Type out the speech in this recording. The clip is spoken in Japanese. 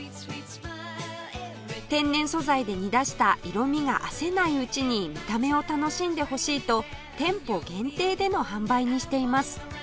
天然素材で煮出した色味があせないうちに見た目を楽しんでほしいと店舗限定での販売にしています